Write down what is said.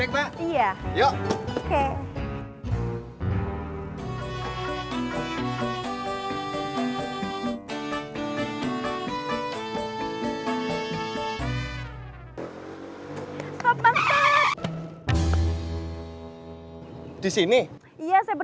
nggak ada apa apa